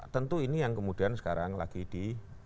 tentu ini yang kemudian sekarang lagi di